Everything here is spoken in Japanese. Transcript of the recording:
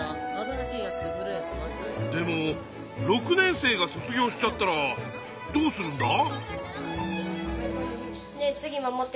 でも６年生が卒業しちゃったらどうするんだ？